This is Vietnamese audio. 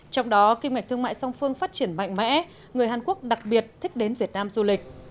trong đó kim ngạch thương mại song phương phát triển mạnh mẽ người hàn quốc đặc biệt thích đến việt nam du lịch